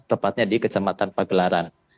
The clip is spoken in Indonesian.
tepatnya di kejamatan pagelaran